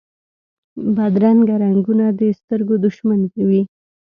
بدرنګه رنګونه د سترګو دشمن وي